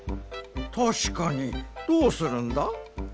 たしかにどうするんだ？